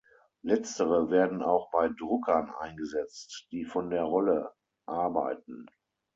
Letztere werden auch bei Druckern eingesetzt, die von der Rolle arbeiten.